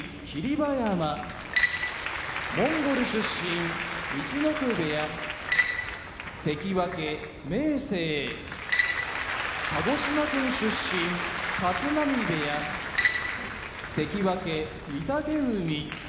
馬山モンゴル出身陸奥部屋関脇・明生鹿児島県出身立浪部屋関脇・御嶽海